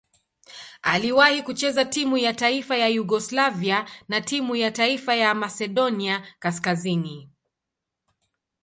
Aliwahi kucheza timu ya taifa ya Yugoslavia na timu ya taifa ya Masedonia Kaskazini.